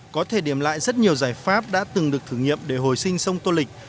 có thể điểm lại rất nhiều giải pháp đã từng được thử nghiệm để hồi sinh sông tô lịch